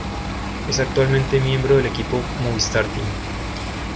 Es actualmente miembro del equipo Movistar Team.